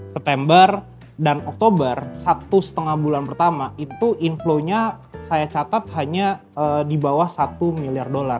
september dan oktober satu setengah bulan pertama itu inflow nya saya catat hanya di bawah satu miliar dolar